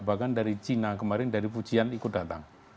bahkan dari cina kemarin dari pujian ikut datang